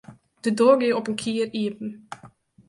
De doar gie op in kier iepen.